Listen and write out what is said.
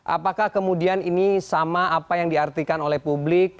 apakah kemudian ini sama apa yang diartikan oleh publik